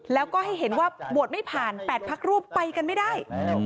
แล้วก็ให้เห็นว่าโหวตไม่ผ่าน๘พักร่วมไปกันไม่ได้